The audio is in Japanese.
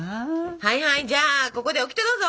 はいはいじゃあここでオキテどうぞ！